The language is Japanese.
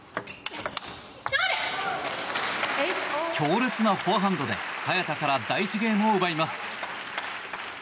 強烈なフォアハンドで早田から第１ゲームを奪います。